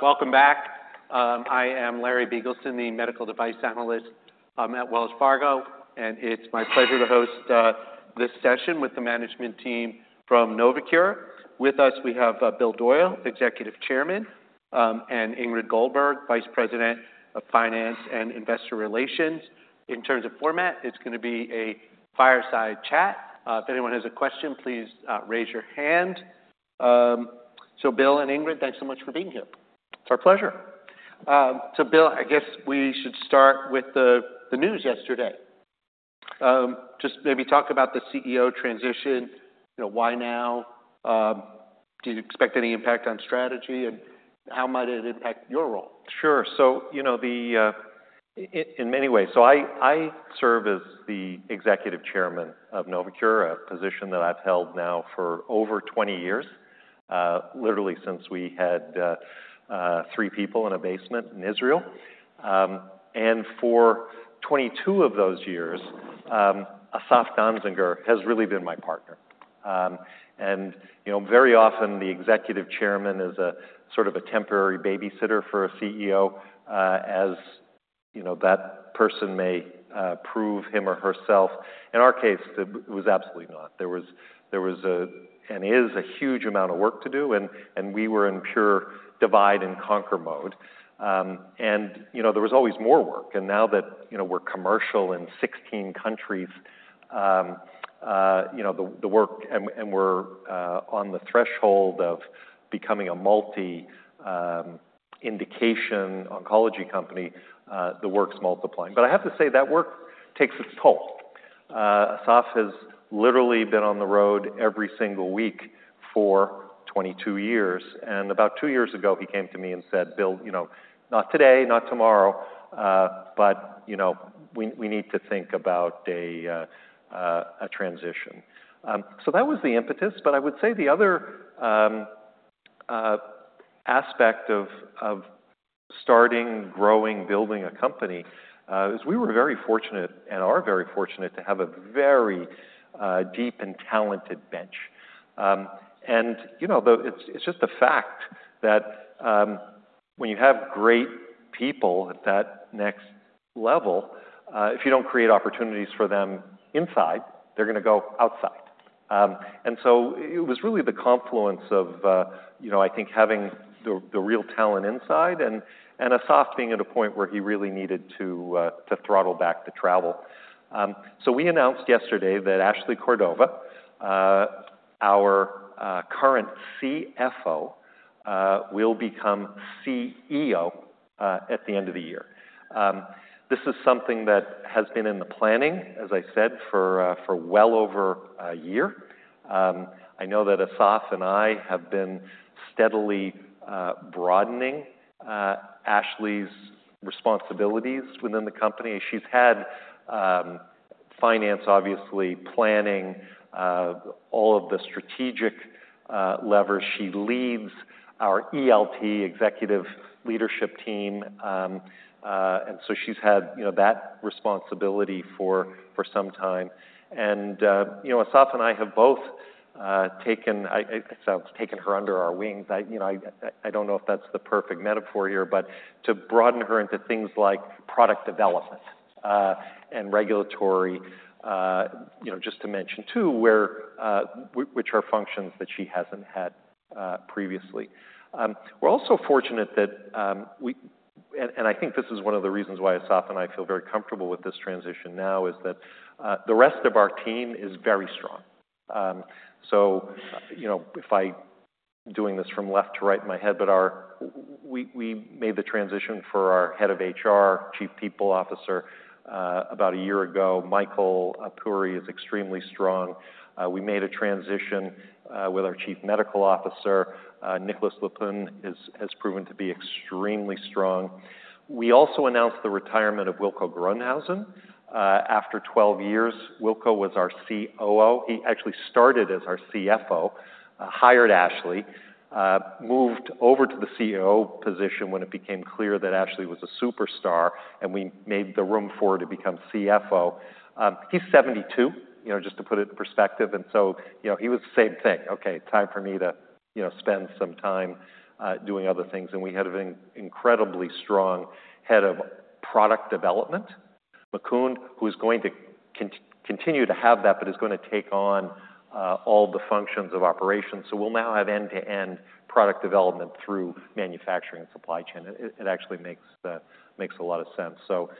Welcome back. I am Larry Biegelsen, the Medical Device Analyst at Wells Fargo, and it's my pleasure to host this session with the management team from Novocure. With us, we have Bill Doyle, Executive Chairman, and Ingrid Goldberg, Vice President of Finance and Investor Relations. In terms of format, it's gonna be a fireside chat. If anyone has a question, please raise your hand. Bill and Ingrid, thanks so much for being here. It's our pleasure. So Bill, I guess we should start with the news yesterday. Just maybe talk about the CEO transition, you know, why now? Do you expect any impact on strategy, and how might it impact your role? Sure. So, you know, in many ways. So I serve as the Executive Chairman of Novocure, a position that I've held now for over 20 years, literally since we had three people in a basement in Israel. And for 22 of those years, Asaf Danziger has really been my partner. And, you know, very often, the executive chairman is a sort of a temporary babysitter for a CEO, as, you know, that person may prove him or herself. In our case, it was absolutely not. There was a, and is a huge amount of work to do, and we were in pure divide-and-conquer mode. And, you know, there was always more work. And now that, you know, we're commercial in 16 countries, you know, the work. And we're on the threshold of becoming a multi indication oncology company, the work's multiplying. But I have to say, that work takes its toll. Asaf has literally been on the road every single week for 22 years, and about two years ago, he came to me and said, "Bill, you know, not today, not tomorrow, but, you know, we need to think about a transition." So that was the impetus, but I would say the other aspect of starting, growing, building a company is we were very fortunate and are very fortunate to have a very deep and talented bench. And, you know, the... It's just the fact that when you have great people at that next level, if you don't create opportunities for them inside, they're gonna go outside, and so it was really the confluence of, you know, I think, having the real talent inside, and Asaf being at a point where he really needed to throttle back the travel, so we announced yesterday that Ashley Cordova, our current CFO, will become CEO at the end of the year. This is something that has been in the planning, as I said, for well over a year. I know that Asaf and I have been steadily broadening Ashley's responsibilities within the company. She's had finance, obviously, planning, all of the strategic levers. She leads our ELT, executive leadership team, and so she's had, you know, that responsibility for some time. And, you know, Asaf and I have both taken her under our wings. You know, I don't know if that's the perfect metaphor here, but to broaden her into things like product development and regulatory, you know, just to mention two, where, which are functions that she hasn't had previously. We're also fortunate that, and I think this is one of the reasons why Asaf and I feel very comfortable with this transition now, is that the rest of our team is very strong. So, you know, if I'm doing this from left to right in my head, but we made the transition for our Head of HR, Chief People Officer, about a year ago. Michael Puri is extremely strong. We made a transition with our Chief Medical Officer. Nicolas Leupin has proven to be extremely strong. We also announced the retirement of Wilco Groenhuysen after 12 years. Wilco was our COO. He actually started as our CFO, hired Ashley, moved over to the COO position when it became clear that Ashley was a superstar, and we made the room for her to become CFO. He's 72, you know, just to put it in perspective, and so, you know, he was the same thing, "Okay, time for me to, you know, spend some time doing other things." And we had an incredibly strong head of product development, Mukund, who is going to continue to have that, but is gonna take on all the functions of operations. So we'll now have end-to-end product development through manufacturing and supply chain. It actually makes a lot of sense. So,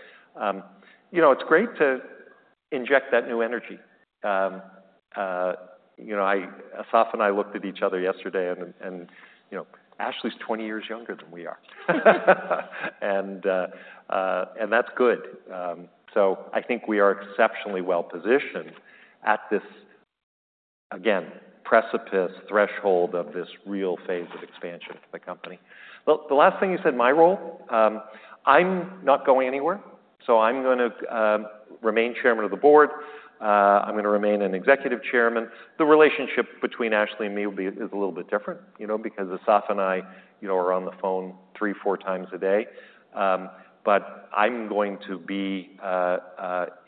you know, it's great to inject that new energy. You know, Asaf and I looked at each other yesterday, and, and, you know, Ashley's 20 years younger than we are. And that's good. So I think we are exceptionally well-positioned at this, again, precipice threshold of this real phase of expansion to the company. Well, the last thing you said, my role, I'm not going anywhere, so I'm gonna remain Chairman of the Board. I'm gonna remain an Executive Chairman. The relationship between Ashley and me will be, is a little bit different, you know, because Asaf and I, you know, are on the phone three, four times a day. But I'm going to be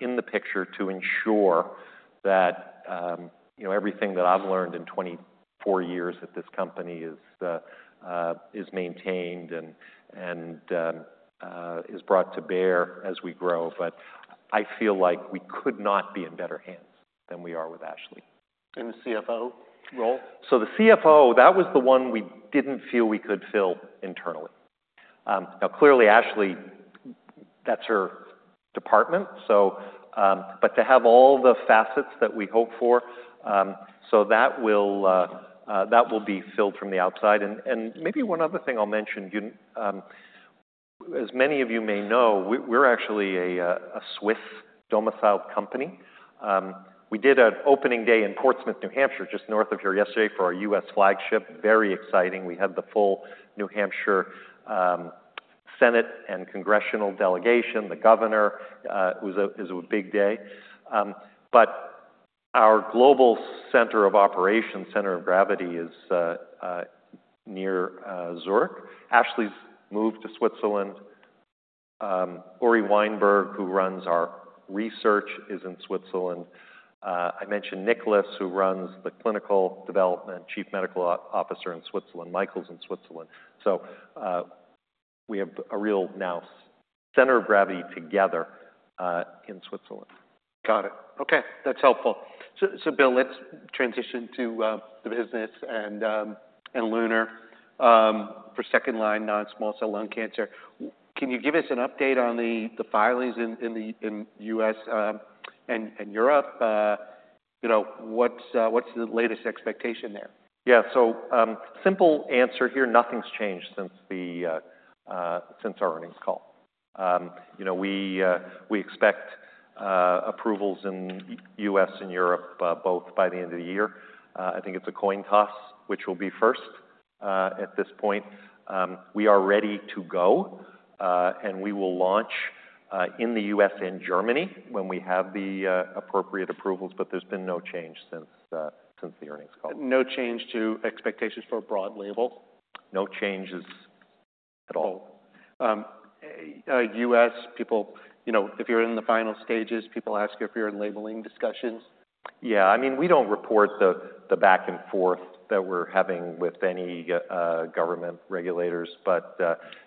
in the picture to ensure that, you know, everything that I've learned in 24 years at this company is maintained and is brought to bear as we grow. But I feel like we could not be in better hands than we are with Ashley. The CFO role? So the CFO, that was the one we didn't feel we could fill internally. Now, clearly, Ashley, that's her department, so, but to have all the facets that we hope for, so that will be filled from the outside. And maybe one other thing I'll mention, you, as many of you may know, we're actually a Swiss-domiciled company. We did an opening day in Portsmouth, New Hampshire, just north of here yesterday for our U.S. flagship. Very exciting. We had the full New Hampshire Senate and Congressional delegation, the governor. It was a big day. But our global center of operations, center of gravity, is near Zurich. Ashley's moved to Switzerland. Uri Weinberg, who runs our research, is in Switzerland. I mentioned Nicolas, who runs the clinical development, Chief Medical Officer in Switzerland. Michael's in Switzerland. So, we have a real new center of gravity together in Switzerland. Got it. Okay, that's helpful. So, Bill, let's transition to the business and LUNAR for second-line non-small cell lung cancer. Can you give us an update on the filings in the U.S. and Europe? You know, what's the latest expectation there? Yeah. So, simple answer here, nothing's changed since the, since our earnings call. You know, we expect approvals in U.S. and Europe, both by the end of the year. I think it's a coin toss, which will be first. At this point, we are ready to go, and we will launch in the U.S. and Germany when we have the appropriate approvals, but there's been no change since the earnings call. No change to expectations for a broad label? No changes at all. U.S. people... You know, if you're in the final stages, people ask if you're in labeling discussions. Yeah. I mean, we don't report the back and forth that we're having with any government regulators, but,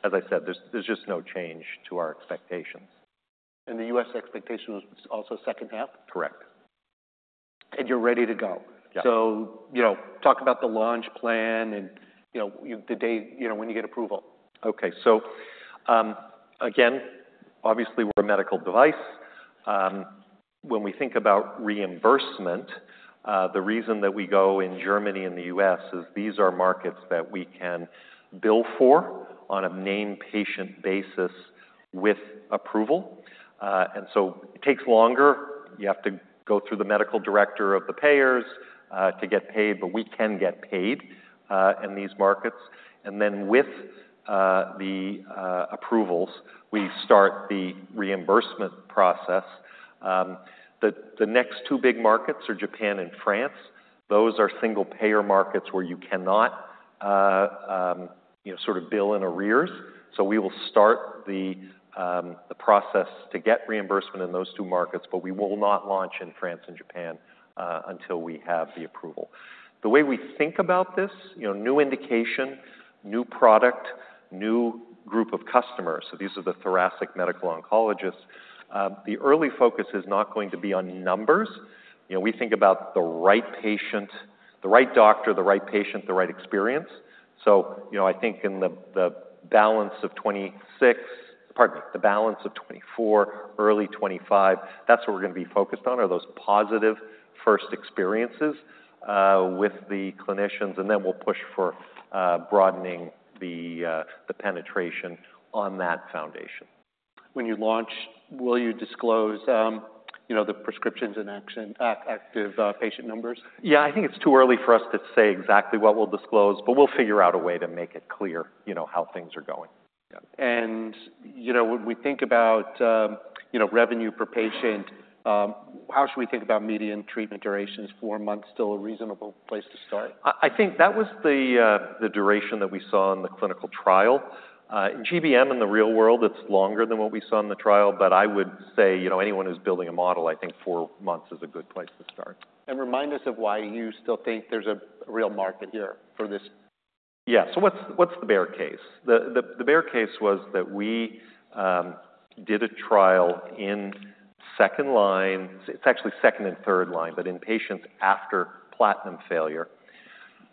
as I said, there's just no change to our expectations. The U.S. expectation was also second half? Correct. You're ready to go? Yeah. You know, talk about the launch plan and, you know, the day, you know, when you get approval. Okay. So, again, obviously, we're a medical device. When we think about reimbursement, the reason that we go in Germany and the U.S. is these are markets that we can bill for on a named patient basis with approval, and so it takes longer. You have to go through the medical director of the payers to get paid, but we can get paid in these markets, and then with the approvals, we start the reimbursement process. The next two big markets are Japan and France. Those are single-payer markets where you cannot, you know, sort of bill in arrears, so we will start the process to get reimbursement in those two markets, but we will not launch in France and Japan until we have the approval. The way we think about this, you know, new indication, new product, new group of customers, so these are the thoracic medical oncologists. The early focus is not going to be on numbers. You know, we think about the right patient, the right doctor, the right patient, the right experience. So, you know, I think in the balance of 2026, pardon me, the balance of 2024, early 2025, that's what we're gonna be focused on, are those positive first experiences with the clinicians, and then we'll push for broadening the penetration on that foundation. When you launch, will you disclose, you know, the prescriptions and active patient numbers? Yeah, I think it's too early for us to say exactly what we'll disclose, but we'll figure out a way to make it clear, you know, how things are going. Yeah. You know, when we think about, you know, revenue per patient, how should we think about median treatment duration? Is four months still a reasonable place to start? I think that was the duration that we saw in the clinical trial. GBM in the real world, it's longer than what we saw in the trial, but I would say, you know, anyone who's building a model, I think four months is a good place to start. Remind us of why you still think there's a real market here for this. Yeah. So what's the bear case? The bear case was that we did a trial in second line. It's actually second and third line, but in patients after platinum failure.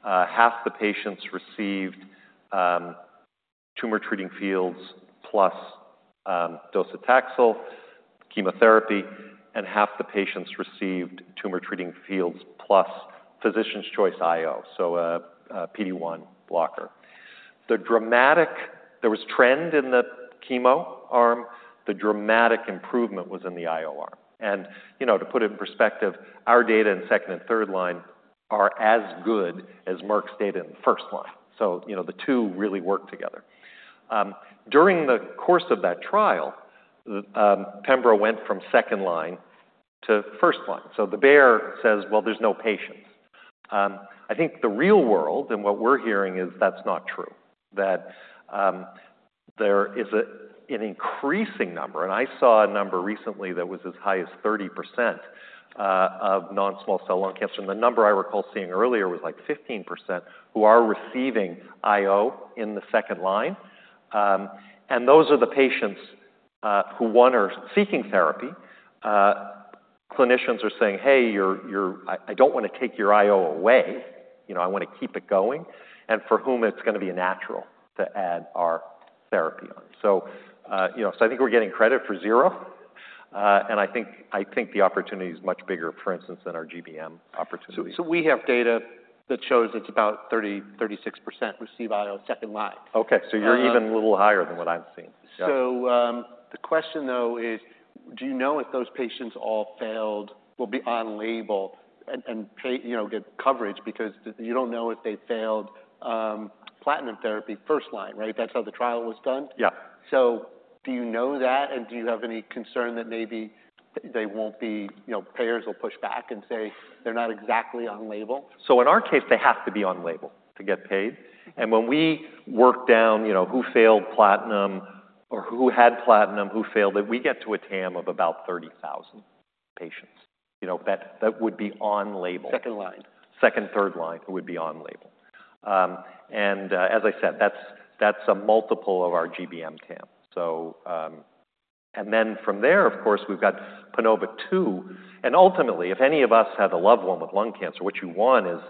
Half the patients received tumor treating fields plus docetaxel chemotherapy, and half the patients received tumor treating fields plus Physician's Choice IO, so a PD-1 blocker. There was a trend in the chemo arm. The dramatic improvement was in the IO arm. And, you know, to put it in perspective, our data in second and third line are as good as Merck's data in the first line, so, you know, the two really work together. During the course of that trial, pembro went from second line to first line. So the bear says, "Well, there's no patients." I think the real world, and what we're hearing is that's not true, that there is an increasing number, and I saw a number recently that was as high as 30% of non-small cell lung cancer, and the number I recall seeing earlier was, like, 15%, who are receiving IO in the second line. And those are the patients who, one, are seeking therapy clinicians are saying, "Hey, you're. I don't want to take your IO away, you know, I want to keep it going," and for whom it's going to be a natural to add our therapy on. So, you know, so I think we're getting credit for zero, and I think the opportunity is much bigger, for instance, than our GBM opportunity. We have data that shows it's about 30%, 36% receive IO second line. Okay, so you're even a little higher than what I'm seeing. Yeah. The question, though, is: do you know if those patients all failed, will be on-label and pay, you know, get coverage? Because you don't know if they failed platinum therapy first line, right? That's how the trial was done. Yeah. So do you know that, and do you have any concern that maybe they won't be... You know, payers will push back and say they're not exactly on-label? So in our case, they have to be on-label to get paid. And when we work down, you know, who failed platinum or who had platinum, who failed it, we get to a TAM of about 30,000 patients. You know, that, that would be on-label. Second line. Second, third line, it would be on-label. And, as I said, that's a multiple of our GBM TAM. So, and then from there, of course, we've got PANOVA-02. And ultimately, if any of us had a loved one with lung cancer, what you want is,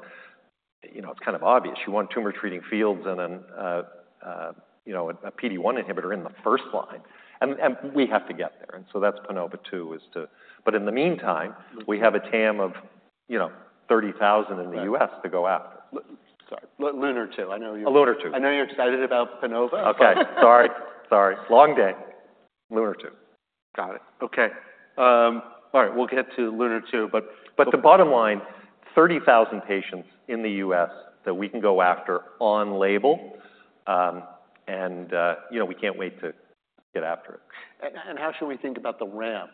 you know, it's kind of obvious. You want Tumor Treating Fields and then, you know, a PD-1 inhibitor in the first line. And we have to get there, and so that's PANOVA-02, is to-- But in the meantime, we have a TAM of, you know, 30,000 in the U.S.- Right -to go after. Sorry. LUNAR-2, I know you- LUNAR-02. I know you're excited about PANOVA. Okay. Sorry. Long day. LUNAR-2. Got it. Okay. All right, we'll get to LUNAR-2, but- But the bottom line, 30,000 patients in the U.S. that we can go after on-label, and you know, we can't wait to get after it. And how should we think about the ramp?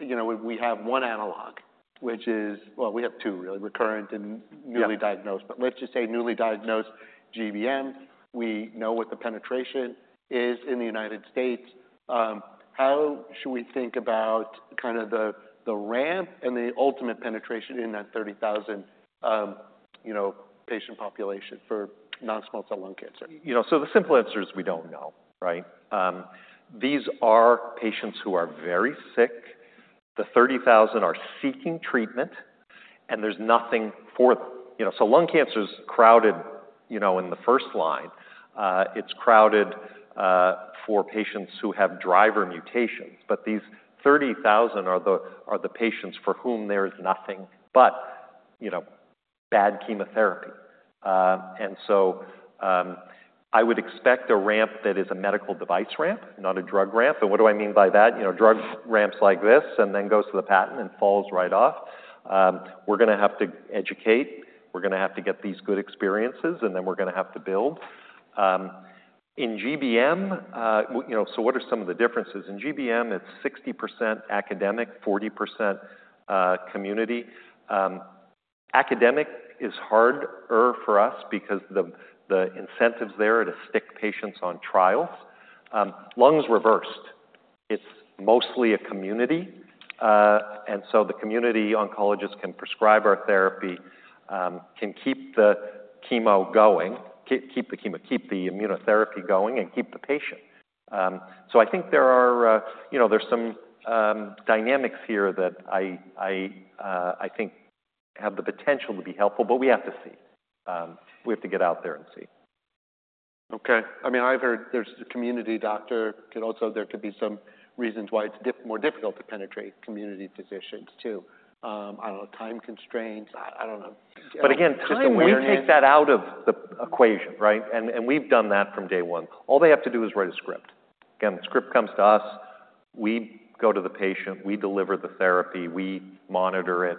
You know, we have one analog, which is... Well, we have two, really, recurrent and- Yeah newly diagnosed, but let's just say newly diagnosed GBM. We know what the penetration is in the United States. How should we think about kind of the ramp and the ultimate penetration in that thirty thousand, you know, patient population for non-small cell lung cancer? You know, so the simple answer is we don't know, right? These are patients who are very sick. The 30,000 are seeking treatment, and there's nothing for them. You know, so lung cancer's crowded, you know, in the first line. It's crowded for patients who have driver mutations, but these 30,000 are the patients for whom there is nothing but, you know, bad chemotherapy. And so, I would expect a ramp that is a medical device ramp, not a drug ramp. And what do I mean by that? You know, drug ramps like this, and then goes to the plateau and falls right off. We're gonna have to educate, we're gonna have to get these good experiences, and then we're gonna have to build. In GBM, you know, so what are some of the differences? In GBM, it's 60% academic, 40% community. Academic is harder for us because the incentives there are to stick patients on trials. Lung's reversed. It's mostly a community, and so the community oncologist can prescribe our therapy, can keep the chemo going, keep the immunotherapy going, and keep the patient, so I think there are, you know, there's some dynamics here that I think have the potential to be helpful, but we have to see. We have to get out there and see. Okay. I mean, I've heard there's a community doctor. There could be some reasons why it's more difficult to penetrate community physicians, too. I don't know, time constraints. I don't know. But again- Just awareness... we take that out of the equation, right? And we've done that from day one. All they have to do is write a script. Again, the script comes to us, we go to the patient, we deliver the therapy, we monitor it.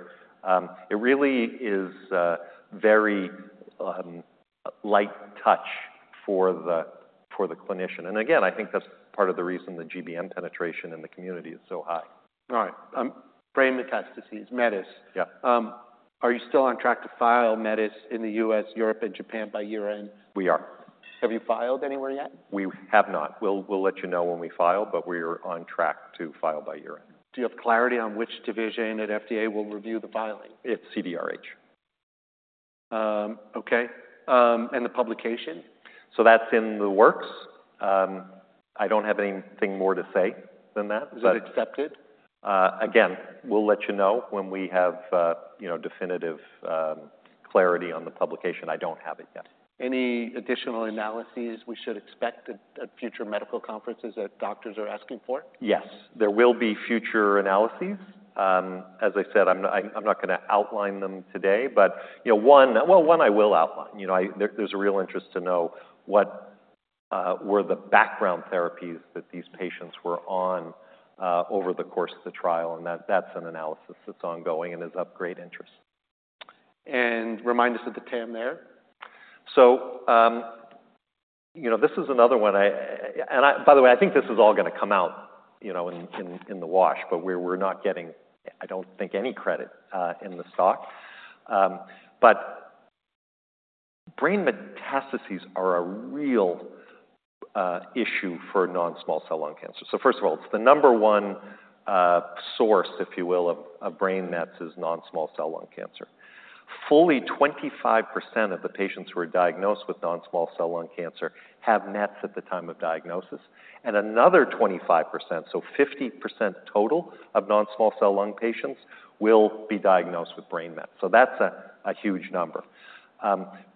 It really is very light touch for the clinician. And again, I think that's part of the reason the GBM penetration in the community is so high. All right. Brain metastases, METIS. Yeah. Are you still on track to file METIS in the U.S., Europe, and Japan by year-end? We are. Have you filed anywhere yet? We have not. We'll let you know when we file, but we're on track to file by year-end. Do you have clarity on which division at FDA will review the filing? It's CDRH. Okay. And the publication? So that's in the works. I don't have anything more to say than that, but- Is that accepted? Again, we'll let you know when we have, you know, definitive clarity on the publication. I don't have it yet. Any additional analyses we should expect at future medical conferences that doctors are asking for? Yes, there will be future analyses. As I said, I'm not gonna outline them today, but you know, one. Well, one, I will outline. You know, there there's a real interest to know what were the background therapies that these patients were on over the course of the trial, and that's an analysis that's ongoing and is of great interest. Remind us of the TAM there. You know, this is another one. By the way, I think this is all gonna come out, you know, in the wash, but we're not getting, I don't think, any credit in the stock. But brain metastases are a real issue for non-small cell lung cancer. First of all, it's the number one source, if you will, of brain mets is non-small cell lung cancer. Fully 25% of the patients who are diagnosed with non-small cell lung cancer have mets at the time of diagnosis, and another 25%, so 50% total of non-small cell lung patients will be diagnosed with brain mets. So that's a huge number.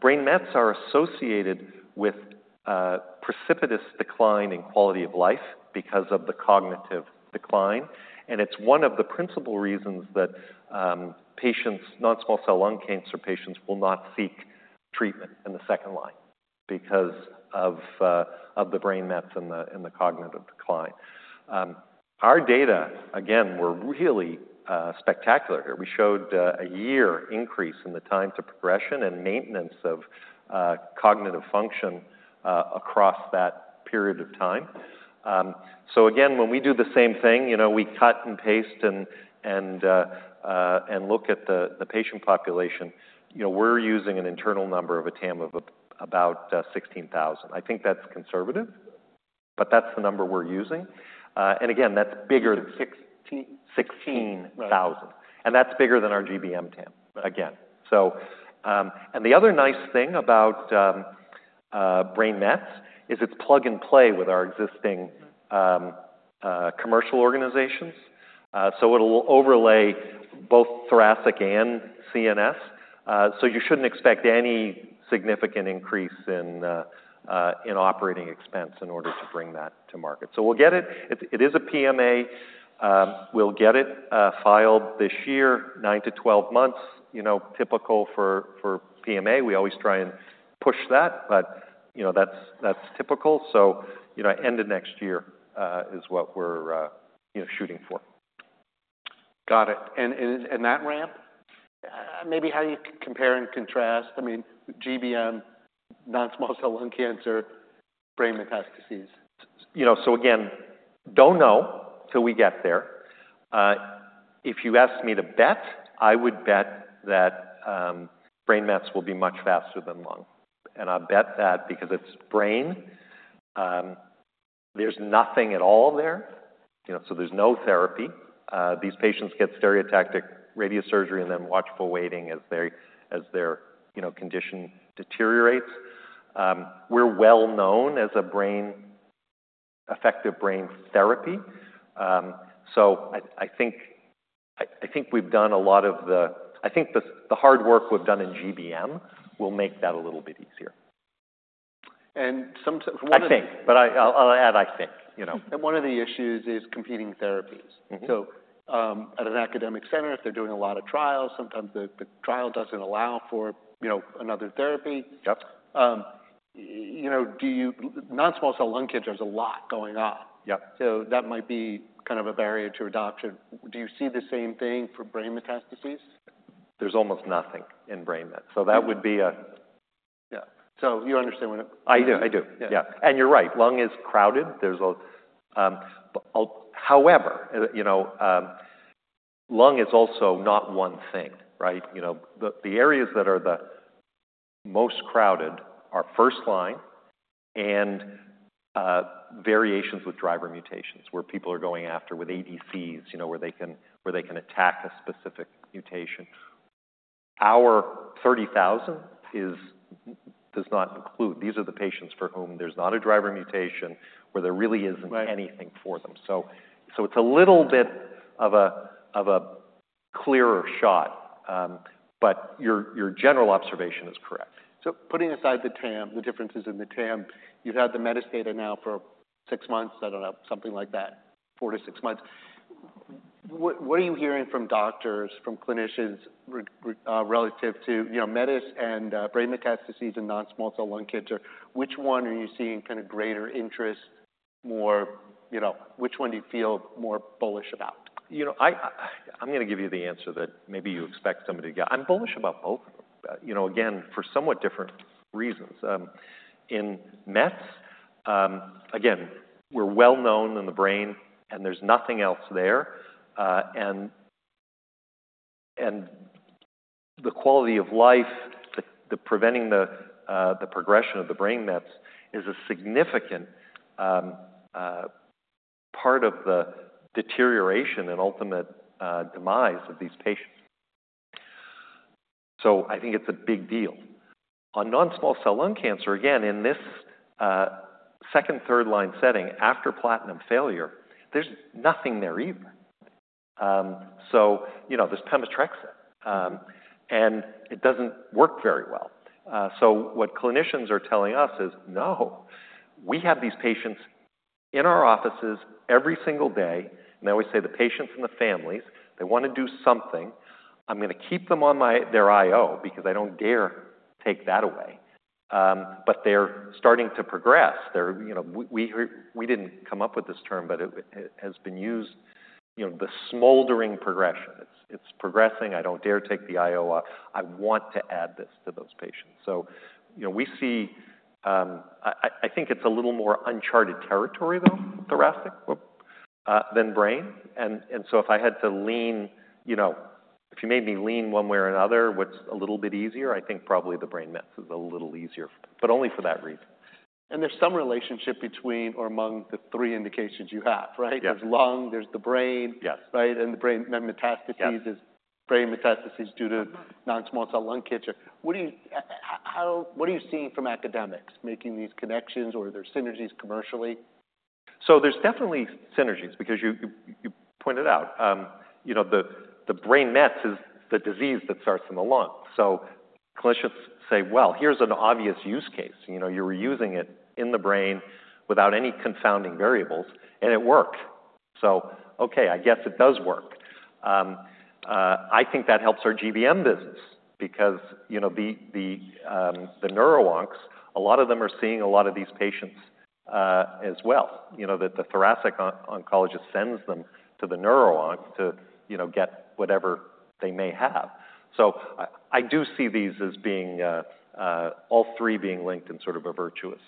Brain mets are associated with a precipitous decline in quality of life because of the cognitive decline, and it's one of the principal reasons that patients, non-small cell lung cancer patients will not seek treatment in the second line because of the brain mets and the cognitive decline. Our data, again, were really spectacular here. We showed a year increase in the time to progression and maintenance of cognitive function across that period of time. So again, when we do the same thing, you know, we cut and paste and look at the patient population, you know, we're using an internal number of a TAM of about 16,000. I think that's conservative, but that's the number we're using. And again, that's bigger- Sixteen? Sixteen thousand. Right. That's bigger than our GBM TAM, again. The other nice thing about brain mets is it's plug and play with our existing commercial organizations. It will overlay both thoracic and CNS. You shouldn't expect any significant increase in operating expense in order to bring that to market. We'll get it. It is a PMA. We'll get it filed this year, nine to 12 months, you know, typical for PMA. We always try and push that, but, you know, that's typical. End of next year is what we're you know shooting for. Got it. And that ramp, maybe how you compare and contrast, I mean, GBM, non-small cell lung cancer, brain metastases. You know, so again, don't know till we get there. If you asked me to bet, I would bet that brain mets will be much faster than lung. And I bet that because it's brain, there's nothing at all there, you know, so there's no therapy. These patients get stereotactic radiosurgery and then watchful waiting as their, you know, condition deteriorates. We're well known as a brain-effective brain therapy. So I think we've done a lot of the... I think the hard work we've done in GBM will make that a little bit easier. And some- I think, but I'll add, I think, you know. One of the issues is competing therapies. Mm-hmm. At an academic center, if they're doing a lot of trials, sometimes the trial doesn't allow for, you know, another therapy. Yep. You know, non-small cell lung cancer, there's a lot going on. Yep. So that might be kind of a barrier to adoption. Do you see the same thing for brain metastases? There's almost nothing in brain mets. So that would be a- Yeah. So you understand what I'm- I do. I do. Yeah. Yeah, and you're right, lung is crowded. However, you know, lung is also not one thing, right? You know, the areas that are the most crowded are first line and variations with driver mutations, where people are going after with ADCs, you know, where they can attack a specific mutation. Our 30,000 is, does not include. These are the patients for whom there's not a driver mutation, where there really isn't- Right... anything for them. So it's a little bit of a clearer shot, but your general observation is correct. Putting aside the TAM, the differences in the TAM, you've had the METIS data now for six months, I don't know, something like that, four to six months. What are you hearing from doctors, from clinicians regarding relative to, you know, METIS and brain metastases and non-small cell lung cancer? Which one are you seeing kind of greater interest, more, you know, which one do you feel more bullish about? You know, I'm gonna give you the answer that maybe you expect somebody to get. I'm bullish about both, you know, again, for somewhat different reasons. In mets, again, we're well known in the brain, and there's nothing else there, and the quality of life, preventing the progression of the brain mets is a significant part of the deterioration and ultimate demise of these patients. So I think it's a big deal. On non-small cell lung cancer, again, in this second, third-line setting after platinum failure, there's nothing there either. So, you know, there's pemetrexed, and it doesn't work very well. So what clinicians are telling us is, "No, we have these patients in our offices every single day," and they always say, "The patients and the families, they wanna do something. I'm gonna keep them on my... their IO because I don't dare take that away." But they're starting to progress. They're, you know, we hear—we didn't come up with this term, but it has been used, you know, the smoldering progression. "It's progressing. I don't dare take the IO off. I want to add this to those patients." So, you know, we see... I think it's a little more uncharted territory, though, thoracic than brain. And so if I had to lean, you know, if you made me lean one way or another, what's a little bit easier, I think probably the brain mets is a little easier, but only for that reason. ...And there's some relationship between or among the three indications you have, right? Yes. There's lung, there's the brain- Yes. Right? And the brain, then metastases. Yes. There's brain metastases due to non-small cell lung cancer. What do you, how, what are you seeing from academics making these connections or are there synergies commercially? So there's definitely synergies because you point it out, you know, the brain mets is the disease that starts in the lung. So clinicians say, "Well, here's an obvious use case." You know, you're using it in the brain without any confounding variables, and it worked. So okay, I guess it does work. I think that helps our GBM business because, you know, the neuro-oncs, a lot of them are seeing a lot of these patients, as well. You know, the thoracic oncologist sends them to the neuro-onc to, you know, get whatever they may have. So I do see these as being all three being linked in sort of a virtuous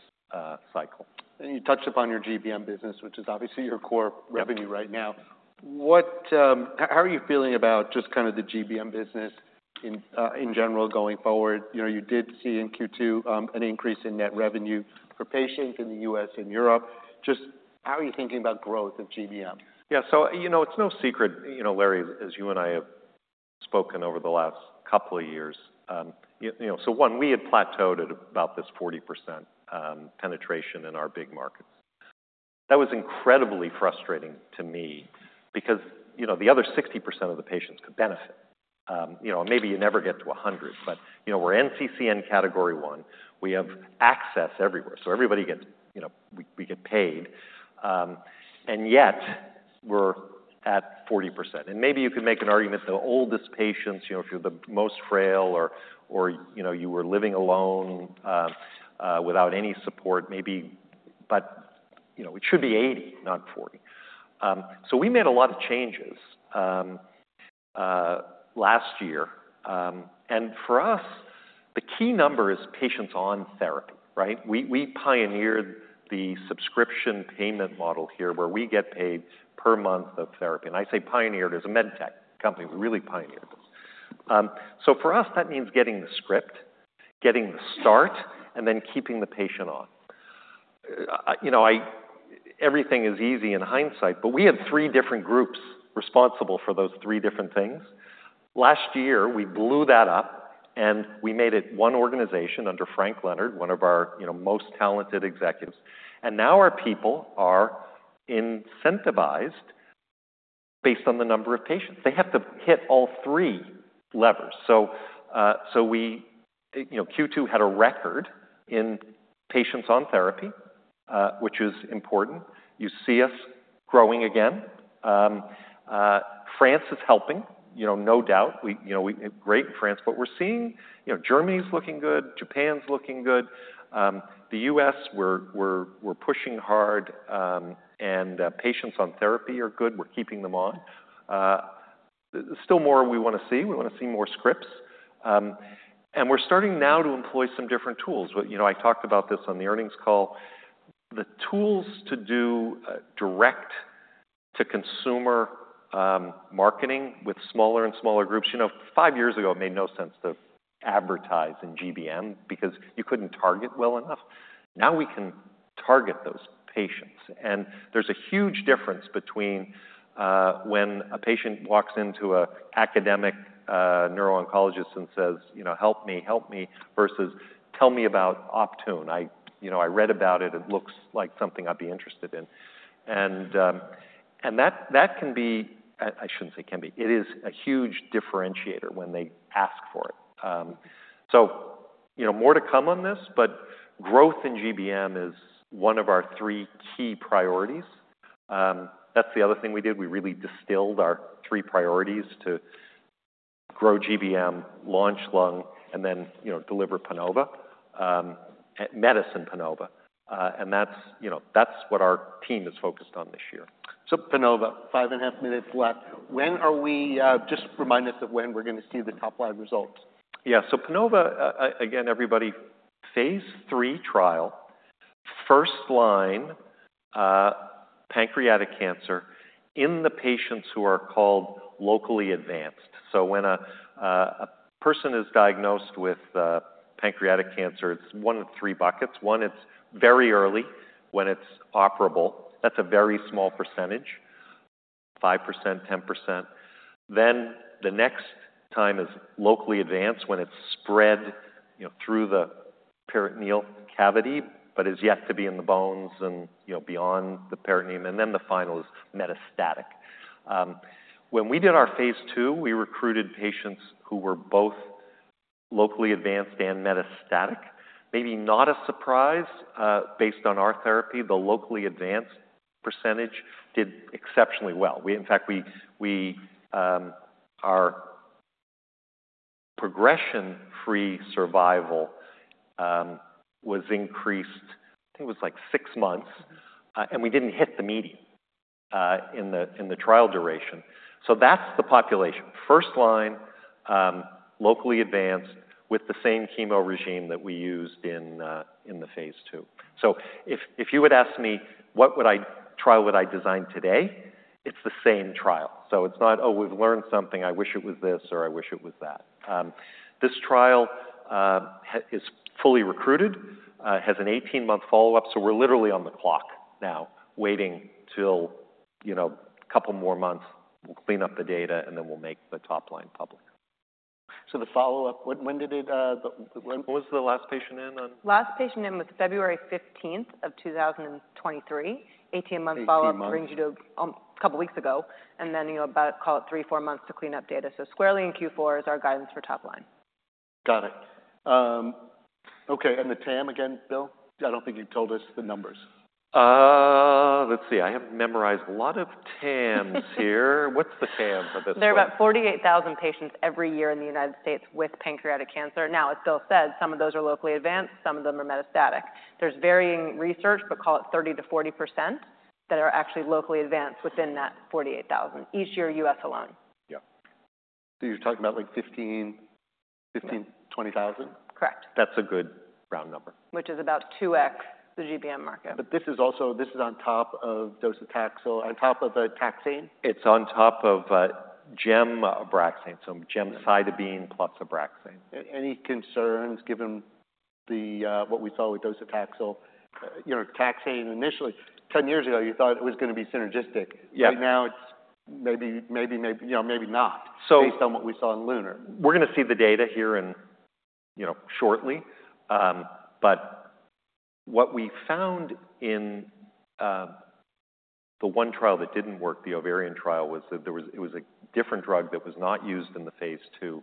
cycle. You touched upon your GBM business, which is obviously your core revenue right now. Yep. How are you feeling about just kind of the GBM business in general going forward? You know, you did see in Q2 an increase in net revenue for patients in the U.S. and Europe. Just how are you thinking about growth of GBM? Yeah. So, you know, it's no secret, you know, Larry, as you and I have spoken over the last couple of years, you know. So one, we had plateaued at about this 40% penetration in our big markets. That was incredibly frustrating to me because, you know, the other 60% of the patients could benefit. You know, maybe you never get to 100, but, you know, we're NCCN Category 1, we have access everywhere, so everybody gets, you know, we get paid, and yet we're at 40%. And maybe you could make an argument, the oldest patients, you know, if you're the most frail or, you know, you were living alone, without any support, maybe but, you know, it should be 80, not 40. So we made a lot of changes last year, and for us, the key number is patients on therapy, right? We pioneered the subscription payment model here, where we get paid per month of therapy, and I say pioneered as a med tech company, we really pioneered this. So for us, that means getting the script, getting the start, and then keeping the patient on. You know, everything is easy in hindsight, but we had three different groups responsible for those three different things. Last year, we blew that up, and we made it one organization under Frank Leonard, one of our, you know, most talented executives. Now our people are incentivized based on the number of patients. They have to hit all three levers. We, you know, Q2 had a record in patients on therapy, which is important. You see us growing again. France is helping, you know, no doubt. Great in France, but we're seeing, you know, Germany is looking good, Japan's looking good. The US, we're pushing hard, and patients on therapy are good. We're keeping them on. There's still more we wanna see. We wanna see more scripts, and we're starting now to employ some different tools. Well, you know, I talked about this on the earnings call, the tools to do direct to consumer marketing with smaller and smaller groups. You know, five years ago, it made no sense to advertise in GBM because you couldn't target well enough. Now, we can target those patients, and there's a huge difference between, when a patient walks into a academic neuro-oncologist and says, "You know, help me, help me," versus, "Tell me about Optune. I, you know, I read about it, it looks like something I'd be interested in." And, and that, that can be, I shouldn't say can be, it is a huge differentiator when they ask for it. So, you know, more to come on this, but growth in GBM is one of our three key priorities. That's the other thing we did, we really distilled our three priorities to grow GBM, launch lung, and then, you know, deliver PANOVA, medicine PANOVA. And that's, you know, that's what our team is focused on this year. PANOVA, five and a half minutes left. When are we? Just remind us of when we're gonna see the top-line results. Yeah, so PANOVA, again, everybody, phase 3 trial, first line, pancreatic cancer in the patients who are called locally advanced. So when a person is diagnosed with pancreatic cancer, it's one of three buckets. One, it's very early, when it's operable, that's a very small percentage, 5%, 10%. Then the next time is locally advanced, when it's spread, you know, through the peritoneal cavity, but is yet to be in the bones and, you know, beyond the peritoneum, and then the final is metastatic. When we did our phase 2, we recruited patients who were both locally advanced and metastatic. Maybe not a surprise, based on our therapy, the locally advanced percentage did exceptionally well. In fact, our progression-free survival was increased, I think it was like six months, and we didn't hit the median in the trial duration. So that's the population: first-line, locally advanced, with the same chemo regimen that we used in the phase II. So if you would ask me, what trial would I design today? It's the same trial, so it's not, "Oh, we've learned something. I wish it was this," or, "I wish it was that." This trial is fully recruited, has an eighteen-month follow-up, so we're literally on the clock now, waiting till, you know, a couple more months. We'll clean up the data, and then we'll make the top line public. So the follow-up, when was the last patient in on? Last patient in was February 15th, 2023. Eighteen-month follow-up- Eighteen months. Brings you to, a couple weeks ago, and then, you know, about call it three, four months to clean up data, so squarely in Q4 is our guidance for top line. Got it. Okay, and the TAM again, Bill? I don't think you told us the numbers. Let's see. I have memorized a lot of TAMs here. What's the TAM for this one? There are about 48,000 patients every year in the United States with pancreatic cancer. Now, as Bill said, some of those are locally advanced, some of them are metastatic. There's varying research, but call it 30%-40%, that are actually locally advanced within that 48,000, each year, U.S. alone. Yeah. So you're talking about, like, 15,000-20,000? Correct. That's a good round number. Which is about 2x the GBM market. This is on top of docetaxel, on top of a taxane. It's on top of, gem Abraxane, so gemcitabine plus Abraxane. Any concerns, given what we saw with docetaxel? You know, taxane, initially, ten years ago, you thought it was gonna be synergistic. Yeah. Right now, it's maybe, you know, maybe not- So- -based on what we saw in LUNAR. We're gonna see the data here in, you know, shortly. But what we found in the one trial that didn't work, the ovarian trial, was that there was it was a different drug that was not used in the phase II,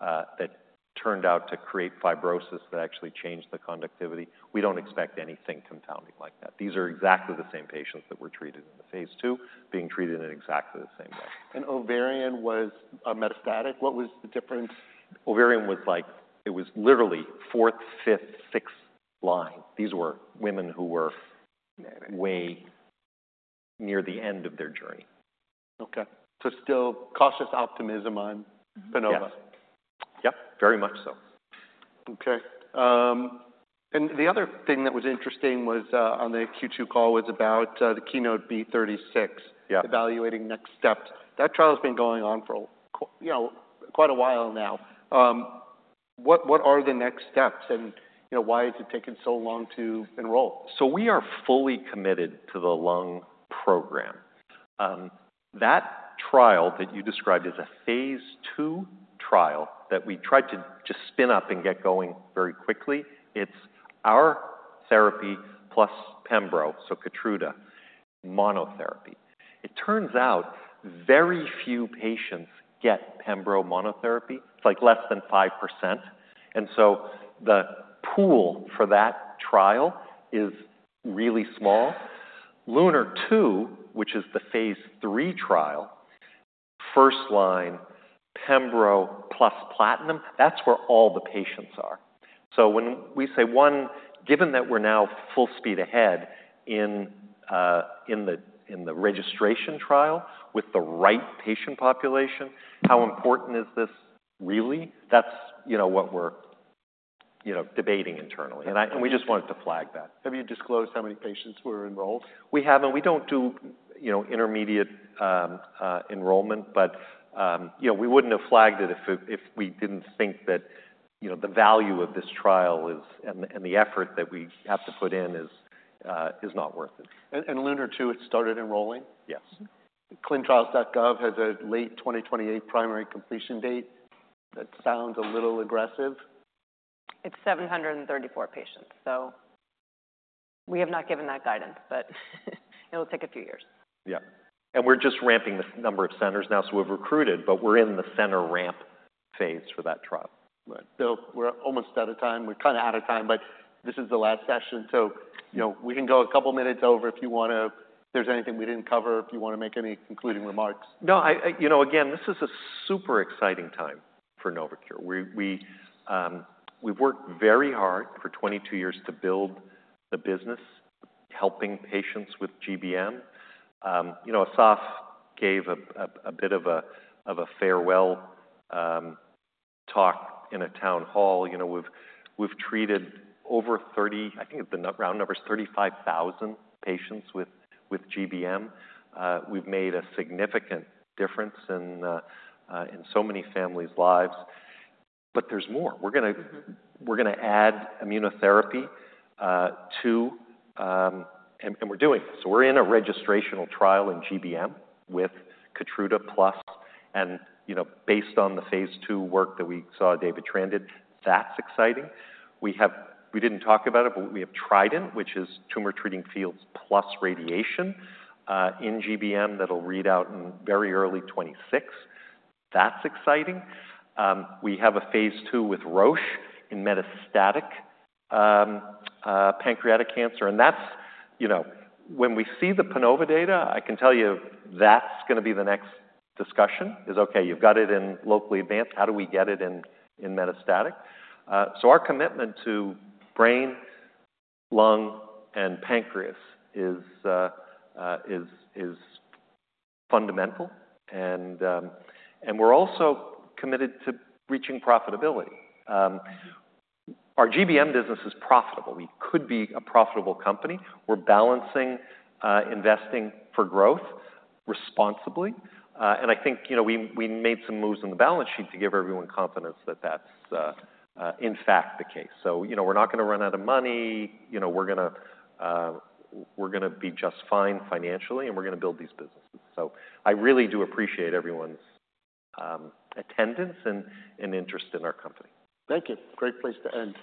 that turned out to create fibrosis that actually changed the conductivity. We don't expect anything compounding like that. These are exactly the same patients that were treated in the phase II, being treated in exactly the same way. Ovarian was metastatic. What was the difference? Ovarian was like, it was literally fourth, fifth, sixth line. These were women who were way near the end of their journey. Okay, so still cautious optimism on PANOVA? Yes. Yep, very much so. Okay. And the other thing that was interesting was on the Q2 call was about the KEYNOTE-B36- Yeah -evaluating next steps. That trial's been going on for you know, quite a while now. What are the next steps, and, you know, why has it taken so long to enroll? So we are fully committed to the lung program. That trial that you described is a phase two trial that we tried to just spin up and get going very quickly. It's our therapy plus pembro, so Keytruda monotherapy. It turns out very few patients get pembro monotherapy. It's like less than 5%, and so the pool for that trial is really small. LUNAR-2, which is the phase III trial, first line, pembro plus platinum, that's where all the patients are. So when we say one, given that we're now full speed ahead in the registration trial with the right patient population, how important is this really? That's, you know, what we're, you know, debating internally, and we just wanted to flag that. Have you disclosed how many patients were enrolled? We haven't. We don't do, you know, intermediate enrollment, but, you know, we wouldn't have flagged it if we didn't think that, you know, the value of this trial is, and the effort that we have to put in is not worth it. LUNAR-2, it started enrolling? Yes. ClinicalTrials.gov has a late 2028 primary completion date. That sounds a little aggressive. It's 734 patients, so we have not given that guidance, but it'll take a few years. Yeah, and we're just ramping the number of centers now, so we've recruited, but we're in the center ramp phase for that trial. Right. Bill, we're almost out of time. We're kind of out of time, but this is the last session, so, you know, we can go a couple of minutes over if you wanna... If there's anything we didn't cover, if you wanna make any concluding remarks. No, you know, again, this is a super exciting time for Novocure. We’ve worked very hard for twenty-two years to build the business, helping patients with GBM. You know, Asaf gave a bit of a farewell talk in a town hall. You know, we’ve treated over thirty. I think the round number is thirty-five thousand patients with GBM. We’ve made a significant difference in so many families' lives, but there’s more. We’re gonna- Mm-hmm... we're gonna add immunotherapy to and we're doing this. So we're in a registrational trial in GBM with Keytruda plus, you know, based on the phase two work that we saw data trended, that's exciting. We have. We didn't talk about it, but we have TRIDENT, which is tumor treating fields plus radiation in GBM, that'll read out in very early 2026. That's exciting. We have a phase II with Roche in metastatic pancreatic cancer, and that's. You know, when we see the Panova data, I can tell you that's gonna be the next discussion. Is, "Okay, you've got it in locally advanced. How do we get it in metastatic?" So our commitment to brain, lung, and pancreas is fundamental, and we're also committed to reaching profitability. Our GBM business is profitable. We could be a profitable company. We're balancing investing for growth responsibly, and I think, you know, we made some moves on the balance sheet to give everyone confidence that that's in fact the case. So, you know, we're not gonna run out of money, you know, we're gonna be just fine financially, and we're gonna build these businesses. So I really do appreciate everyone's attendance and interest in our company. Thank you. Great place to end.